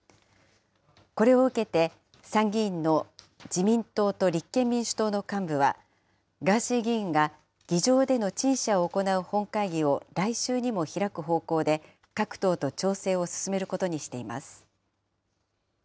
これを受けて、参議院の自民党と立憲民主党の幹部は、ガーシー議員が議場での陳謝を行う本会議を来週にも開く方向で、各党と調整を進めることにしています。